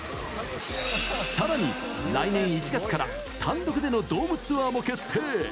さらに、来年１月から単独でのドームツアーも決定。